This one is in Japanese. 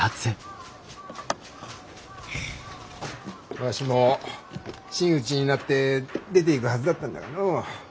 わしも真打になって出ていくはずだったんだがのう。